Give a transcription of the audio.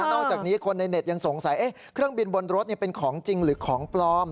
นอกจากนี้คนในเน็ตยังสงสัยเครื่องบินบนรถเป็นของจริงหรือของปลอม